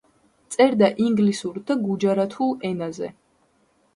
წერდა ინგლისურ და გუჯარათულ ენაზე.